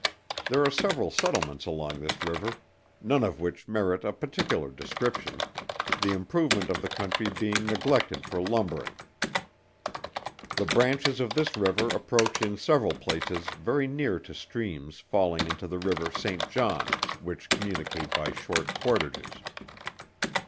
There are several settlements along this river, none of which merit a particular description, the improvement of the country being neglected for lumbering. The branches of this river approach in several places very near to streams falling into the river St. John, which communicate by short portages.